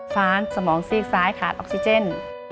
ฟ้านสมองซีกซ้ายขาดออกซิเจน